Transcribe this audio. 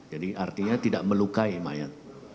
jadi artinya tidak melukai mayat